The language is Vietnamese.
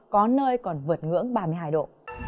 có nơi còn vượt ngưỡng ba mươi hai độ